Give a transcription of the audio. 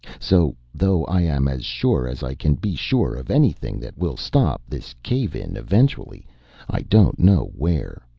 So, though I am as sure as I can be sure of anything that we'll stop this cave in eventually, I don't know where.